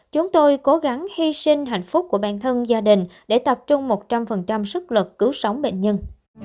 chúng tôi cố gắng hy sinh hạnh phúc của bản thân gia đình để tập trung một trăm linh sức lực cứu sống bệnh nhân